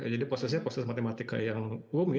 jadi prosesnya proses matematika yang rumit